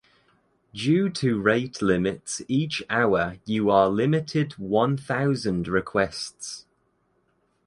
Due to rate limits each hour you are limited one thousand requests